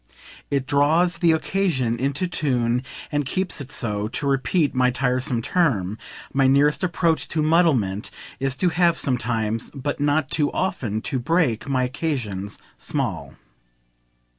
It draws the "occasion" into tune and keeps it so, to repeat my tiresome term; my nearest approach to muddlement is to have sometimes but not too often to break my occasions small.